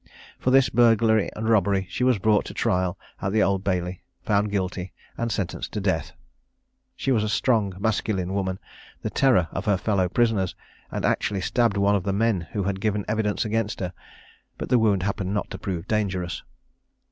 For this burglary and robbery she was brought to trial at the Old Bailey, found guilty, and sentenced to death. She was a strong masculine woman, the terror of her fellow prisoners, and actually stabbed one of the men who had given evidence against her; but the wound happened not to prove dangerous.